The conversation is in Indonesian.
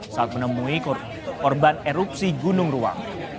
saat menemui korban erupsi gunung ruang